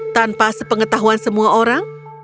tanpa sepengetahuan semua orang